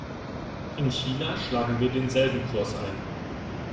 In China schlagen wir denselben Kurs ein.